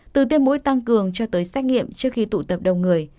từ tiêm mũi tăng cường cho tới xét nghiệm trước khi tụ tập đông người